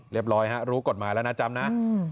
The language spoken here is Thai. ร้อยฮะรู้กฎหมายแล้วนะจำนะ